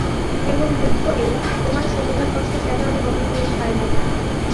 কেবল দুঃখ এই, তোমার সমুদয় কষ্ট কেন আমি বহন করিতে পারিলাম না।